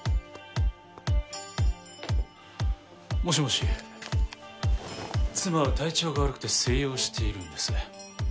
もしもし妻は体調が悪くて静養しているんです。